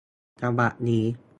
ฉบับนี้